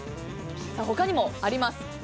他にもあります。